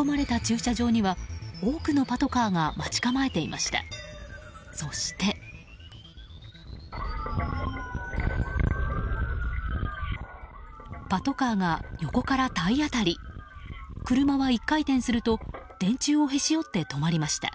車は１回転すると電柱をへし折って止まりました。